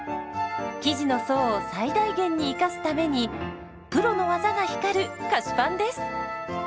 生地の層を最大限に生かすためにプロの技が光る菓子パンです。